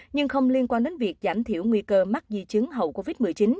nhưng không liên quan đến việc giảm thiểu nguy cơ mắc di chứng hậu covid một mươi chín